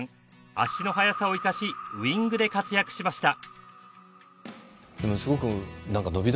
足の速さを生かしウイングで活躍しました。